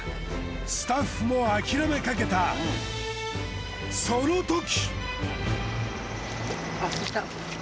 スタッフも諦めかけたそのとき。